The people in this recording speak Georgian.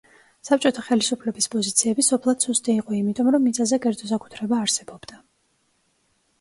საბჭოთა ხელისუფლების პოზიციები სოფლად სუსტი იყო იმიტომ, რომ მიწაზე კერძო საკუთრება არსებობდა.